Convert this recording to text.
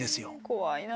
怖いな。